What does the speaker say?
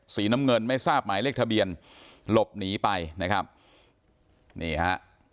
สีน้ำเงินไม่ทราบหมายเลขทะเบียนหลบหนีไปนะครับนี่ฮะ